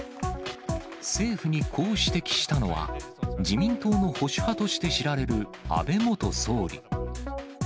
政府にこう指摘したのは、自民党の保守派として知られる安倍元総理。